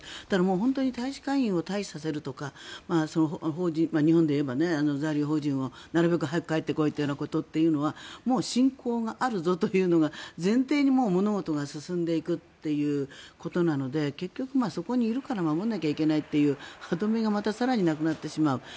ただ、本当に大使館員を退避させるとか日本でいえば在留邦人をなるべく早く帰ってこいというのはもう侵攻があるぞというのが前提に物事が進んでいくということなので結局そこにいるから守らなきゃいけないという歯止めがまた更になくなってしまう。